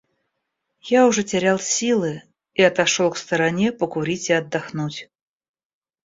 Я уже терял силы и отошел к стороне покурить и отдохнуть.